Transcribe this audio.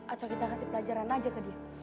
atau kita kasih pelajaran aja ke dia